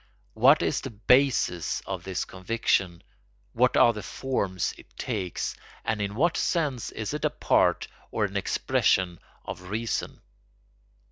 What is the basis of this conviction? What are the forms it takes, and in what sense is it a part or an expression of reason?